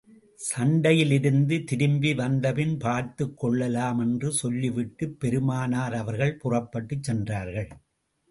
சண்டையிலிருந்து திரும்பி வந்த பின் பார்த்துக் கொள்ளலாம் என்று சொல்லிவிட்டுப் பெருமானார் அவர்கள் புறப்பட்டுச் சென்றார்கள்.